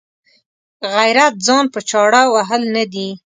غیرت ځان په چاړه وهل نه دي.